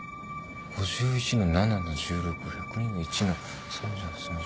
「５１−７−１６」「１０２−１−３８・３９」